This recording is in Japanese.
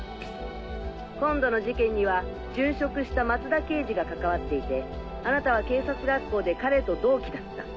今度の事件には殉職した松田刑事が関わっていてあなたは警察学校で彼と同期だった。